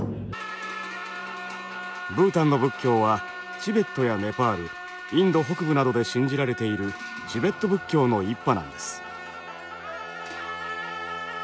ブータンの仏教はチベットやネパールインド北部などで信じられているチベット仏教の一派なんです。